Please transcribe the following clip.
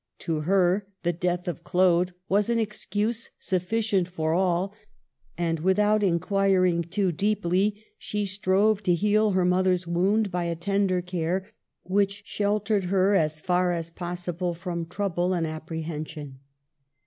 To her, the death of Claude was an excuse suffi cient for all ; and without inquiring too deeply, she strove to heal her mother's wound by a ten der care which sheltered her as far as possible from trouble and apprehension.